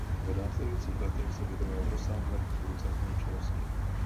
V následujících letech se věnoval rozsáhlé koncertní činnosti.